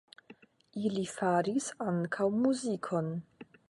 Ili faris ankaŭ muzikon.